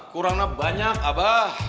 kurangnya banyak abah